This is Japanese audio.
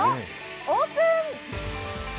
オープン！